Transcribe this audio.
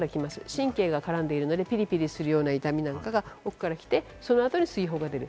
神経が絡んでいるのでピリピリするような痛みなんかが奥から来て、その後に水泡が出る。